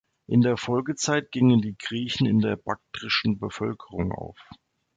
In der Folgezeit gingen die Griechen in der baktrischen Bevölkerung auf.